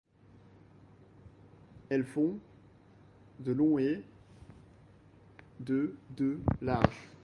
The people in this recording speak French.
Elles font de long et de de large.